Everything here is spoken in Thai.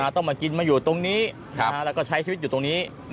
ต้องมากินมาอยู่ตรงนี้แล้วก็ใช้ชีวิตอยู่ตรงนี้